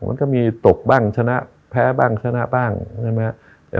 มันก็มีตกบ้างชนะแพ้บ้างชนะบ้างใช่ไหมครับ